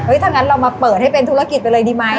ถ้างั้นเรามาเปิดให้เป็นธุรกิจไปเลยดีไหม